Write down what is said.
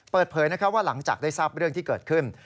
เปิดเผยว่าหลังจากได้ทราบเรื่องที่เกิดขึ้น